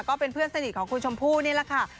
ก็เป็นเพื่อนสนิทของคุณชมพู่นี่แหละค่ะ